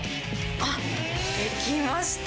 あっ、できました。